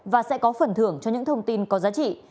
và sẽ có phần thưởng cho những thông tin có giá trị